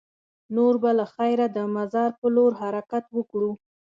نور به له خیره د مزار په لور حرکت وکړو.